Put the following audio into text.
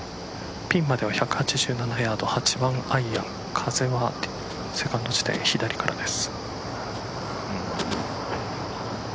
ピンまでは１８７ヤード８番アイアン、風はセカンド地点左からです。